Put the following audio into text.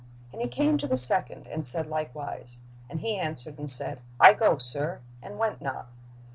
And he came to the second, and said likewise. And he answered and said, I go, sir; and went not.